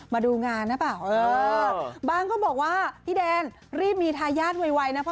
มาดูงานนะปะเออบางคนเขาบอกว่าพี่แดนรีบมีทายญาติไวนะ